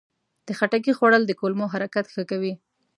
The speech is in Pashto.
د خټکي خوړل د کولمو حرکت ښه کوي.